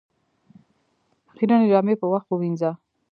خيرنې جامې په وخت ووينځه